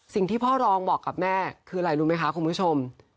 สิ่งที่พ่อรองบอกกับแม่คืออะไรรู้ไหมคะคุณผู้ชม